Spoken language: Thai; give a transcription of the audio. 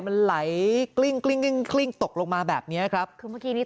มันไหลกลิ้งกลิ้งกลิ้งตกลงมาแบบเนี้ยครับคือเมื่อกี้นี้